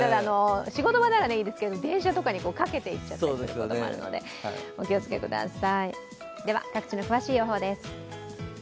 仕事場ではいいですけど、電車とかにかけていっちゃったりすることもあるので、お気をつけください。